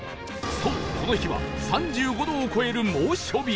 そうこの日は３５度を超える猛暑日